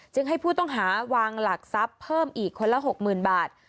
ให้ผู้ต้องหาวางหลักทรัพย์เพิ่มอีกคนละ๖๐๐๐บาท